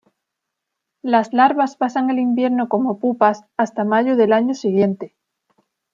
Las larvas pasan el invierno como pupas hasta mayo del año siguiente.